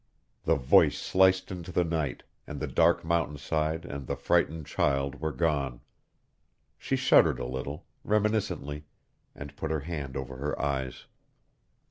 The voice sliced into the night, and the dark mountainside and the frightened child were gone. She shuddered a little, reminiscently, and put her hand over her eyes.